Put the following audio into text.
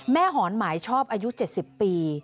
หอนหมายชอบอายุ๗๐ปี